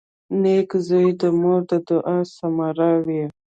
• نېک زوی د مور د دعا ثمره وي.